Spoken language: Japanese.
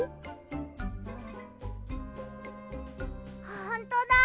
ほんとだ！